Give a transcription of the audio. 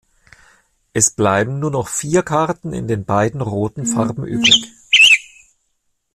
Es bleiben nur noch vier Karten in den beiden roten Farben übrig.